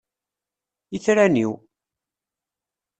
Itran-iw!